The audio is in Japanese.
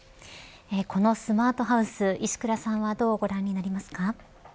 このスマートハウス、石倉さんはどうご覧になりますか。